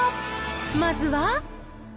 まずは。